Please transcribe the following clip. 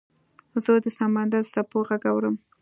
زه د سمندر د څپو غږ اورم .